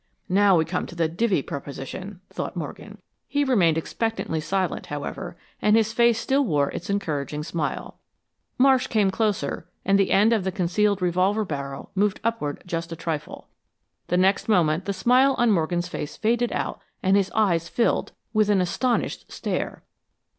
"Now we come to the 'divvy' proposition," thought Morgan. He remained expectantly silent, however, and his face still wore its encouraging smile. Marsh came closer and the end of the concealed revolver barrel moved upward just a trifle. The next moment the smile on Morgan's face faded out and his eyes filled with an astonished stare.